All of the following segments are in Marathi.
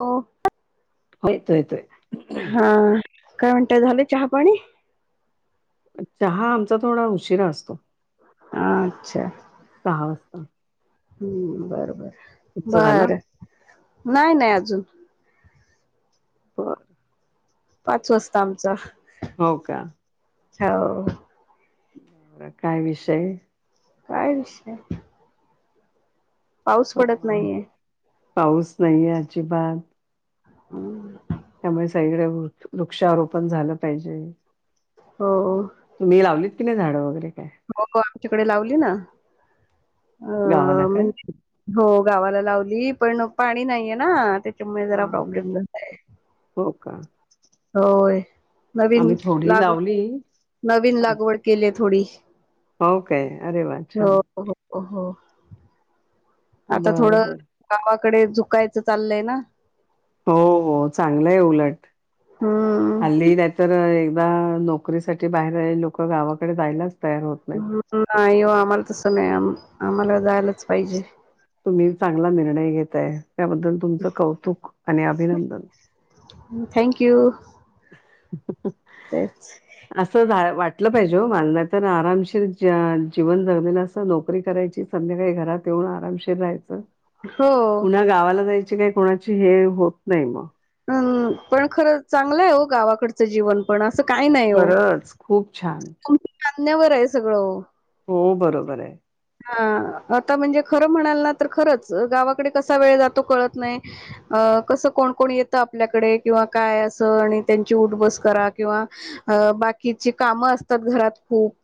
होओ होय येतोय येतोय काय म्हणताय झाल चहा पाणी चहा आमचा थोडा उशीरा असतो अच्छा सहा हम्म बर बर तुढच झालं बर नाही नाही अजून बर पाच वाजता आमचा हो का हो बड काय विषय काय विषय पाऊस पडत अं, नाहीये पाऊस नाहीये अजिबात हम्म त्यामुळे सगळे वृ वृक्षारोपण झालं पाहिजे हो तुम्ही लावत की नाही झाडं वगैरे काय तिकडे लावली ना गावाला अ का? म्हणजे हो गावाला लावली पण पाणी नाहीये ना हा जरा प्रॉब्लेम हो का होय आम्ही नवीन थोडी लाग लावली. नवीन लागवड केली थोडी हो काय अरे वा हो छान हो हो आता बरं थोडं बरं गावाकडे झुकायचं चाललंय ना हो हो चांगलंय उलट हम्म हल्ली त्या तर नोकरी साठी बाहेर लोक गावाकडे जायलाच तयार होत नाहीत. नाही हो आम्हाला तसं नाही आम्हाला जायलाच पाहिजे मी चांगला निर्णय घेतय त्याबद्दल तुमचं कौतुक आणि अभिनंदन थँक्यू अस झा वाटलं पाहिजे मानना सण आरामशीर ज्या जीवन जगलेलं असं नोकरी करायची संध्याकाळी घरात येऊन आरामशीर राहायचं हो. पुन्हा गावाला जायची काय कोणाची हे होत नाही मग पण खर चांगलं आहे हो गावाकडचं जीवन पण अस काही नाही हो खरंच खूप छान तुमच्या कां्यावर आहे सगळं हो बरोबर आहे हा आता म्हणजे खरं म्हणाल ना तर खरंच गावाकडे कसा वेळ जातो कळत नाही कसं कोण कोण येतं आपल्याकडे किंवा काय असं आणि त्यांची उठबस करा किंवा बाकीची काम असतात घरात खूप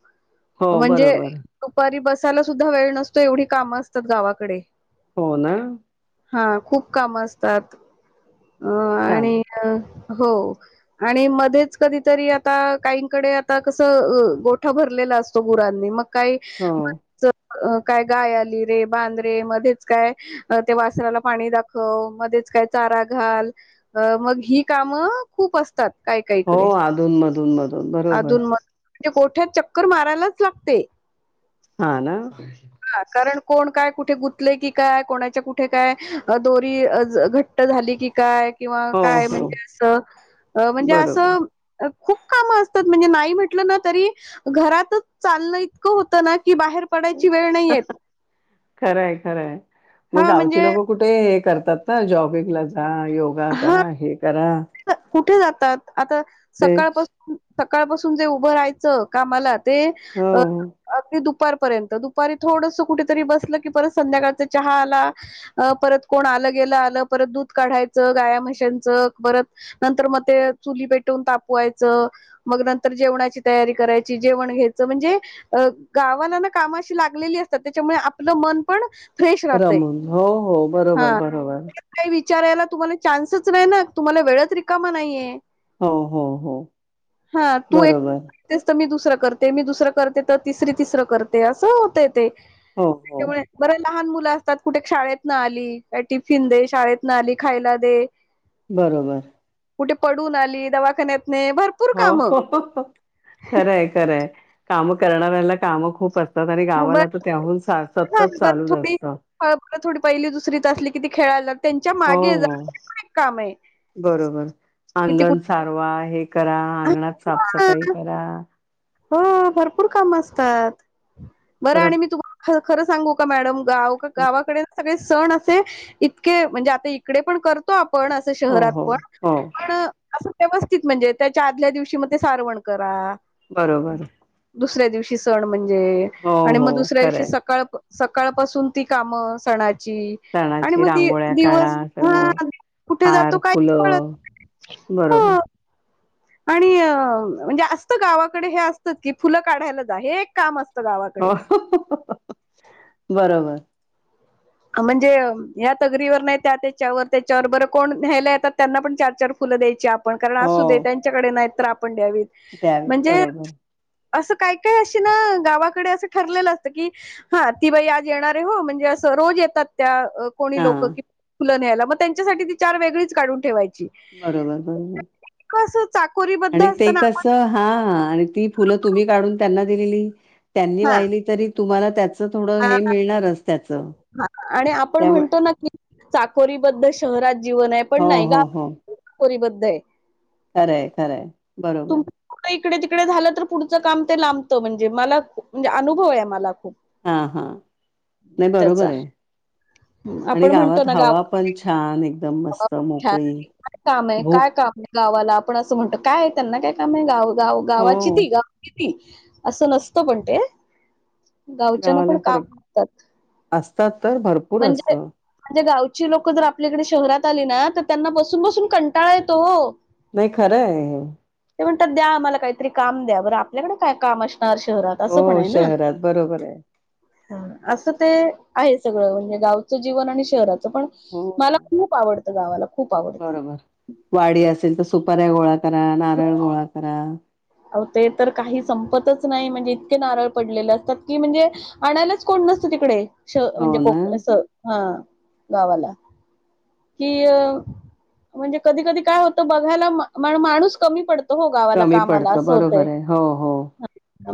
हो म्हणजे बरोबर दुपारी बसायला सुद्धा वेळ नसतो एवढी कामं असतात गावाकडे हो ना हा खूप काम असतात अ छान आणि हो आणि मध्येच कधीतरी आता काहीकडे आता कसं गोठा भरलेलं म हो का काय गाय आली रे बांद रे मध्येच काय ते वासराला पाणी दाखव मध्येच काय चारा घाल अ मग ही कामं खूप असतात काय हो कायकडे अधून मधून मधून बरोबर अधून म म्हणजे मोठ्या चक्कर मारायलाच लागते हा ना हा कारण कोण काय कुठे गुंतले की काय कोणाच्या कुठे काय दोरी घट झा क काय किंवा हो काय हो म्हणजे अस म्हणजे अस बरोबर खूप का ण म्हट त घात इ होत बा खरंय खरंय मग हा गावची म्हणजे लोक कुठे करतात ना जॉबिंगला जा योगा हा करा हे करा कुठे जातात आता ते सकाळपासून सकाळपासून जे उभं राहायचं कामालात ते हो अ अगदी दुप दुपारपर्यंत दुपारी थोडस कुठेतरी बसलं की परत संध्याकाळचा चहा आला परत कोण आ गे आलं परत दूध काढायचं गाया म्हशनच परत नंतर मग ते चुली पेटवून तापवायच मग नंतर जेवणाची तयारी करायची जेव घच म्हणजे गावा कामा लागलेली असतात त्याच्यामुळे आपलं मन पण फ्रेश राहतय रमून हो हो बरोबर हा बरोबर काही विचारायला तुम्हाला चा्सच नाही ना तुम्हाला वेळच रिकामा नाहीये हो हो हो हा तू बरोबर एकतेस तर मी दुसर कर मी दुसरं करते तर तिसर तिसर करते असं होत ते हो हो त्याच्यामुळे ब लहान मुलं असतात कुठे शाळेत न आली टिफिन दे शाळेत न आली खायला दे बरोबर कुठे पडून आली दवाखान्यात हो हो खरंय खरंय काम करणाऱ्याला काम खूप असत ब ह ब चालूच थोडी असतं फळफळ थोडी पहिली दुसरीच असली कि खेळालाग हो हो बरोबर किती अंगण कुठ सारवा हे करा अंगणात साफसफाई करा हो भरपूर काम असतात बरं आणि परत मी तुम्हाला खरं सांगू का मॅडम गाव गावाकडे सगळे सण असे इतके म्हणजे आता इकडे पण करतो आप पण असं हो शहरात हो पण हो पण अस व्यवस्थित म्हणजे त्याच्या आदल्या दिवशी मध्ये ते सारवण करा बरोबर दुसऱ्या दिवशी सण म्हणजे हो आणि हो मग दुसऱ्या दिवशी खरंय सकाळ सकाळपासून ती कामं सणाची आणि सणाची मग रांगोळ्या काढा दिवस सगळं कुठे हार जातो काहीच फुलं कळत बरोबर आणि म्हणजे असत गावाकडे हे असत की फुलं काढायला जा हे एक काम असत हो बरोबर म्हणजे ह तगरीवर नाही त्या त्याच्यावर त्याच्यावर बर कोण घ्यायला येतात त्यांना पण चार चार फुलं द आप कारण हो अस दे त्यांच्याकडे नाही तर आपण द्यावीत द्यावे म्हणजे बरोबर असं काय काय अशी ना गावाकडे असं ठरलेलं असतं की हा ती बाई आज येणार आहे हो म्हणजे अस रोज कोणी हा लोक कि फुलं न्यायला मग त्यांच्यासाठी ती चार वेगळीच काढून ठेवायची बरोबर बरोबर स आणि ते कस हा आणि ती फुलं तुम्ही काढून त्यांना दिलेली त्यांनी वाहिली तरी तुम्हाला त्या ह आणि आपण त्यामुळे म्हणतो ना की चाकोरी बद्ल शहरात जीवन आहे हो पण नाही हो हो गावपोरीबद्ध आहे खरंय खरंय बरोबर तडे तिकडे झालं तर पुढं काम ते लांबतं म्हणजे मला म्हणजे अनुभव आहे मला खूप हा हा नाही त्याचा बरोबर आहे आणि आपण म्हणतो गावात ना हवा गावा पण छान एकदम मस्त काय मोकळी काम आहे काय भूक काम आहे गावाला आपण असं म्हणत काय त्यांना काय काम गाव गाव गावाची हो ती गावाची ती असं नसतं पण ते गावच्यान गावाला पण खरं कामतात असतात तर भरपूर म्हणजे असतं. म्हजे गा लोक जर आपल्याकडे शहरात आली ना तर त्यांना बसून बसून कंटाळा येतो नाही खरं ते म्हणतात द्या मला काहीतरी काम द्या बरं आपल्याकडे काय काम अस शहरात अस पण हो आहे ना शहरात बरोबर आहे. अस ते आहे सगळं म्हणजे गावचं जीवन आणि शहराचं पण मला हो. खूप आवडतं गावाला खूप आवडतं. बरोबर वाडी असेल तर सुपऱ्या गोळाकाररा नारायण गोळाकाररा अ ते तर काही संपतच नाही म्हणजे इतके नारळ पडलेले असतात की म्हणजे आणायच कोण त तिकडे हो म्हणजे ना. कोक हा गावाला कि अ म्हणजे कधी कधी काय होत बघायला माणूस कमी पडत कमी पडतं बरोबर आहे हो हो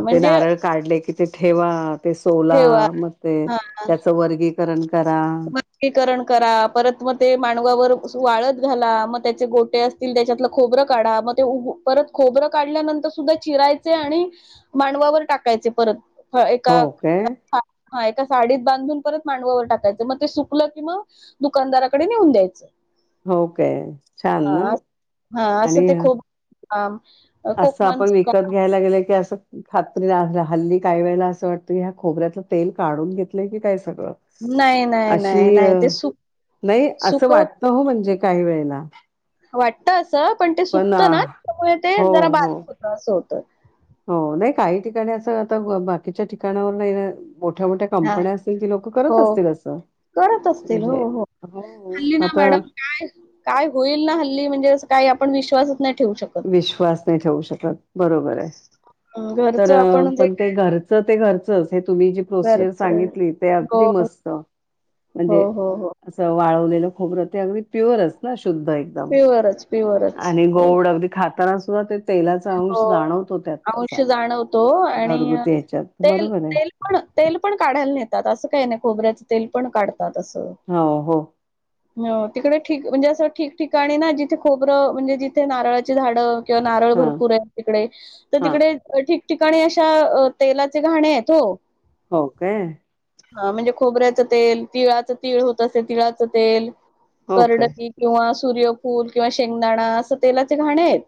मग ते नारळ काढले कि ते ठेवा ते सोला ठेवा मग ते त्याचं वर्गीकरण करा. लगीकरण करा परत मग ते मानवावर वाळत घाला मग त्याचे गोटे असतील त्याच्यातलं खोबरं काढा मग ते परत खोबरं काढल्यानंतर सुद्धा चिरायचे आणि मांडवावर टाकायचे परत ह एका हो काय? हा एका साडीत बांधून परत मांडवावर टाकायचं मग ते सुकलं कि मवा दुकानदाराकडे नेऊन द्यायचं हो काय छान ना हा हा असं आणि ते खूप काम असं आपण कोकमांच काम विकत घ्यायला गेलंय की असं खात्रीला हल्ली काही वेळेला असं वाटतं ह्या खोबऱ्यात तेल काढून घेतलंय की काय सगळ नाही नाही अशी नाही नाही ते सुक नाही असं सुकव वाटत हो म्हणजे काही वेळेला वाटत असं पण ते सुकतं ना त्याच्यामुळे ते हो जरा हो बारीक होत असं होतं हो नाही काही ठिकाणी असं आता बाकीच्या ठिकाणावर मोठ्या मोठ्या हा कंपन्या असतील ती लोक करत हो असतील असं करत असतील हो म्हणजे हो हो हल्ली ना आता मॅडम काय काय होईल ना हल्ली म्हणजे काय पण विश्वासच नाही ठेवू शकत विश्वास नाही ठेवू शकत बरोबर आहे तर घरचं आपण जे पण ते घरचं ते घरच तुम्ही जी काय प्रोसिजर घरच सांगितली ते हो अगदी मस्त हो म्हणजे हो हो अस वावलेलं खोबर ते अग प्युअर च ना शुद्ध एकदम प्युअरच प्युअरच आणि हो गड अगदी खाताना सुद्धा ते तेलाचा अंश हो जाणवतो त्यात अंश तसा जाणवतो आणि घरगुती ह्याच्यात तेल बरोबर आहे. तेल पण तेल पण काढायला नेतात असं काही नाही खोबऱ्याचं तेल पण काढतात असं हो हो हो तिकडे ठीक म्हणजे असं ठिकठिकाणी ना जिथे खोबरं म्हणजे जिथे नारळाची झाडं किंवा नारळ हा भरपूर आहे तिकडे तर हा तिकडे ठी ठिकाणी अशा तेलाचे घाणे आहेत हो हो काय हा म्हणजे खोबऱ्याचं तेल तिळाचं तीळ होत असे तिळाचं तेल हो काय करडई किंवा सूर्यफूल किंवा शेंगदाणा असं तेलाचे घाणे आहेत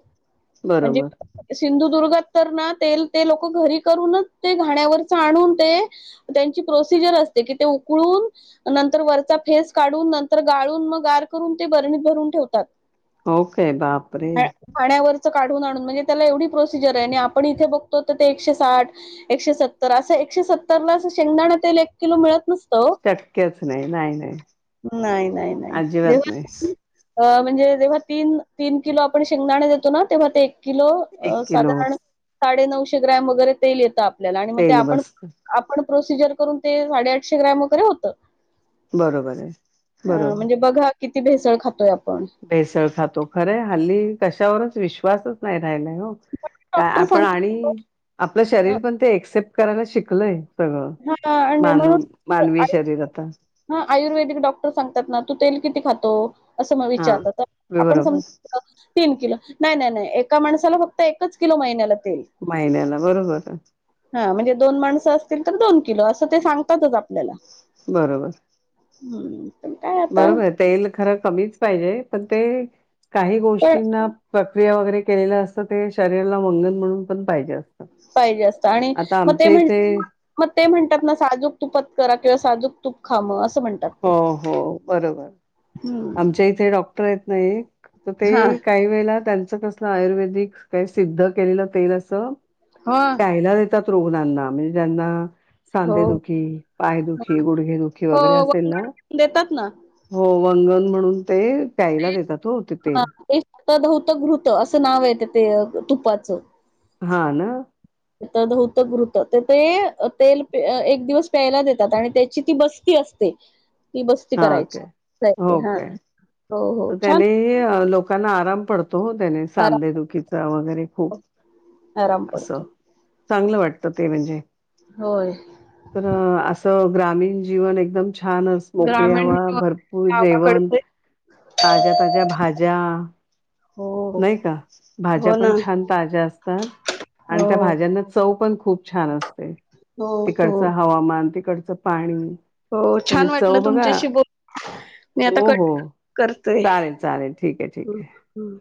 बरोबर म्हणजे सिंधुदुर्गात तर ना ते ते लोक घरी करूनच ते घाण्यावरच आणून ते प्रोसजर अस क उकून नंतर वर फेस काढून नंतर गाळून मग बणी भरून हो काय बापरे ठेवातण्यावर काढून आण म्हण त्या एवढी प्रोसिजर आपण इथे बघतो ते एके साठ एके सर असे सतरला शेंगदाणा ते एक किलो मिळत नस शक्यच नाही नाही नाही नाही नाही नाही दे अजिबात नाही अ म्हणजे जेव्हा तीन तीन किलो आपण शेंगदाणे देतो ना तेव्हा ते एक किलो एक किलो साधारण साडे नऊशे ग्रॅम वगैरे तेल येत आपल्याला आणि मग ते तेल आपण बसत आपण प्रोसिजर करून ते साडेआठशे ग्रॅम वगैरे होत बरोबर आहे बरोबर म्हणजे बघा किती भेसळ खातोय आपण भेसळ खातो खरे हल्ली कशावरच विश्वासच नाही हो पण डॉक्टर आपण सांगतात आणि आपलं अ, शरीर पण ते एक्सेप्ट करायला शिकलय सगळं मानव मानवी शरीर आता. हा आयुर्वेदिक डॉक्टर सांगतात ना तू तेल किती खात असं मग हा विचारत तर आपण बरोबर सम तीन किल. नाही नाही नाही एका माणसाला फक्त एकच किलो महिन्याला. तेल. महिन्याला बरोबर. हा म्हणजे दोन माणसं असतील तर दोन किलो असं ते सांगातच आप बरोबर. हम्. बरोबर तेल खरं कमीच पाहिजे पण ते काही पण गोष्टींना प्रक्रिया वगैरे केलेलं असतं ते शरीराला मंगन म्हणून पण पाहिजे असतं पाहिजे असत आणि आता मग ते आमच्या म्हण इथे मग ते म्हणतात ना साजूक तुपात करा किंवा साजूक तूप खा म हो हो बरोबर हम्म आमच्या इथे डॉक्टर आहेत ना तर हा ते काही वेळेला त्यांचं कसलं आयुर्वेदिक काही सिद्ध केलेलं तेल असं हा प्यायला देतात रुग्णांना म्हणजे ज्यांना हो सांधेदुखी पायदुखी गुडघेदुखी हो वगैरे असेल ना वंगण देतात ना हो. वंगन म्हणून ते प्यायला देतात हो ह तेल ते स्वतः धौत घृत असं नाव आहे ते ते तुपाचं. हा ना. धवतं घृत तर ते तेल एक दिवस प्यायला देतात आणि त्याची ती बस्ती असते. बस्ती हा काय करायचीय हो हा. काय हो हो तर छान त्याने लोकांना आराम पडतो. त्याने आराम सांदेदुखीचा वगैरे खूप आराम अस पडतो चांगलं वाटत ते म्हणजे होय. पण असं ग्रामीण जीवन एक एकदम छानस मोकळीवा भरपूर जेवण ग्रहाकडचे ताज्या ताज्या भाज्या. हो. नाही का भाज्या हो ना. पण छान ताज्या असतात आणि हो. त्या भाज्यांना चव पण ख खूप छान असते हो. हो. तिकडचं हवामान तिकडचं पाणी हो. त्यानी छान चौ वाटलं बघा. तुमच्याशी बोल मी आता हो हो कट करते. चालेल चालेल ठीक आहे ठीक हम्म. आहे. हम्म.